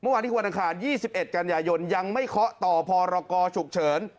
เมื่อวานที่ควรดังคาร๒๑กัญญายนยังไม่เคาะต่อพอรกอฉุกเฉิน